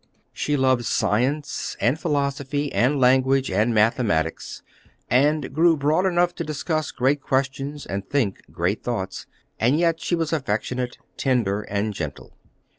She loved science, and philosophy, and language, and mathematics, and grew broad enough to discuss great questions and think great thoughts. And yet she was affectionate, tender, and gentle.